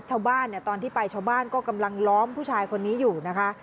ชาวบ้านเนี่ยตอนที่ไปชาวบ้านก็กำลังล้อมผู้ชายคนนี้อยู่นะคะ